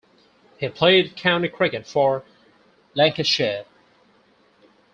He played County Cricket for Lancashire.